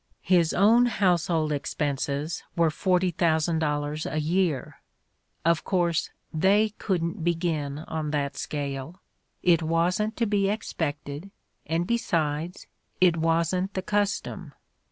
His own house hold expenses were $40,000 a year: of course they couldn't begin on that scale; it wasn't to be expected, and besides, it wasn't the custom.